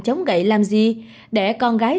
chống gậy làm gì để con gái